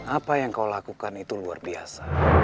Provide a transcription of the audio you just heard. apa yang kau lakukan itu luar biasa